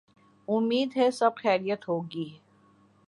امید ہے سب خیریت ہو گی۔